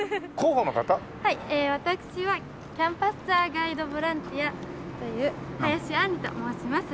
私はキャンパスツアーガイドボランティアという林杏璃と申します。